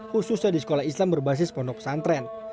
khususnya di sekolah islam berbasis pondok pesantren